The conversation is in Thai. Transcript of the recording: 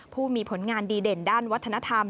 ผู้มีผลงานดีเด่นด้านวัฒนธรรม